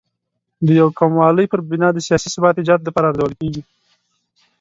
د یو قوموالۍ پر بنا د سیاسي ثبات ایجاد لپاره ارزول کېږي.